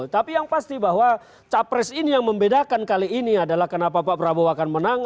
tapi yang pasti bahwa capres ini yang membedakan kali ini adalah kenapa pak prabowo akan menang